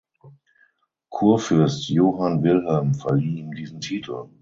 Kurfürst Johann Wilhelm verlieh ihm diesen Titel.